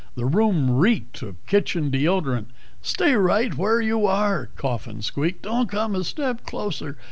The room reeked of kitchen deodorant. "Stay right where you are," Coffin squeaked. "Don't come a step closer.